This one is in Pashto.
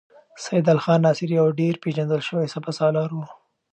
سیدال خان ناصر یو ډېر پیژندل شوی سپه سالار و.